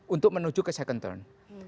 untuk menuju ke second turn